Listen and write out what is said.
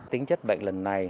tính chất bệnh lần này